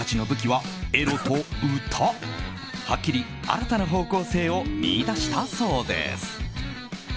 はっきり新たな方向性を見い出したそうです。